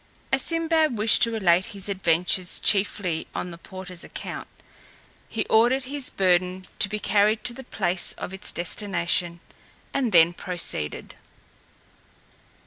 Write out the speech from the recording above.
As Sinbad wished to relate his adventures chiefly on the porter's account, he ordered his burden to be carried to the place of its destination, and then proceeded.